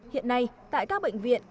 hiện nay tại các bệnh viện